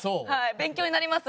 勉強になります。